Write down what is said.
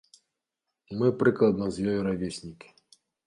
Мы прыкладна з ёю равеснікі.